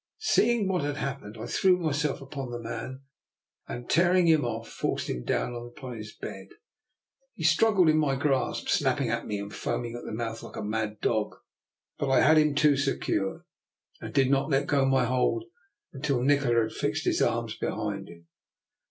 Seeing what had happened, I threw myself upon the man, and, tearing him off, forced him down upon his bed. He struggled in my grasp, snapping at me and foaming at the mouth like a mad dog; but I had him too secure, and did not let go my hold until Nikola had fixed his arms behind him.